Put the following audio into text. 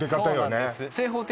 そうなんです